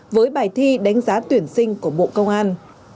với bài thi đánh giá tuyển sinh của bộ công an